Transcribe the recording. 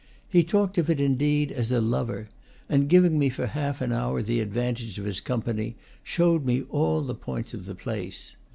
He talked of it, indeed, as a lover, and, giving me for half an hour the advantage of his company, showed me all the points of the place.